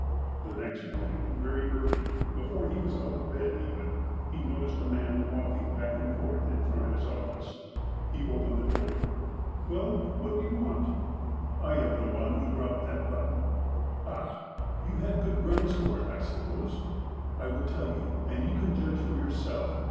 The next morning, very early, before he was out of bed even, he noticed a man walking back and forth in front of his office. He opened the door. " Well, what do you want 1 " 184 THE APOSTLE OF ALASKA " I am the one who dropped that button." "Ah — you had good grounds for it, I suppose? " "I will tell you, and you can judge for yourself.